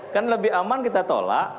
kan lebih aman kita tolak